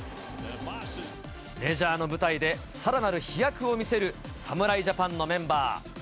メジャーの舞台で、さらなる飛躍を見せる侍ジャパンのメンバー。